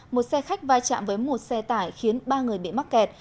một xe khách vai trạm với một xe tải khiến ba người bị mắc kẹt